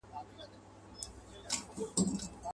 جهاني قاصد را وړي په سرو سترګو څو کیسې دي.